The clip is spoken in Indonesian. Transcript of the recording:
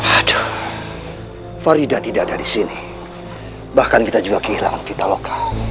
aduh farida tidak ada di sini bahkan kita juga kehilangan vitaloka